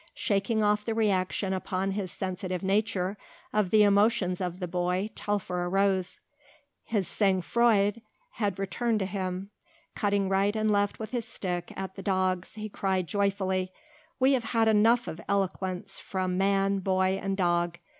Shaking off the reaction upon his sensitive nature of the emotions of the boy Telfer arose. His sang froid had returned to him. Cutting right and left with his stick at the dogs he cried joyfully, "We have had enough of eloquence from man, boy, and dog.